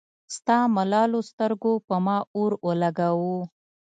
ستا ملالو سترګو پۀ ما اور اولګوو